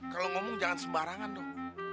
kalau ngomong jangan sembarangan dong